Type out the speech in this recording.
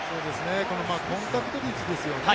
このコンタクト率ですよね。